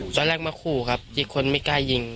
ตอนแรกมาขู่ครับอีกคนไม่กล้ายิง